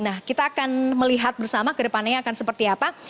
nah kita akan melihat bersama ke depannya akan seperti apa